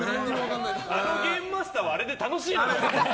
あのゲームマスターはあれで楽しいのかよ。